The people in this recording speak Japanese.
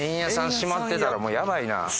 閉まってたらもうやばいな。